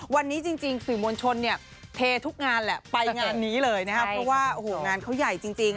วันนี้จริงสื่อมวลชนเนี่ยเททุกงานแหละไปงานนี้เลยนะครับเพราะว่าโอ้โหงานเขาใหญ่จริง